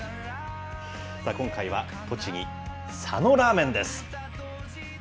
今回は栃木、佐野らーめんです。